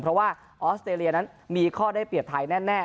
เพราะว่าออสเตรเลียนั้นมีข้อได้เปรียบไทยแน่